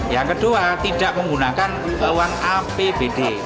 yang kedua tidak menggunakan uang apbd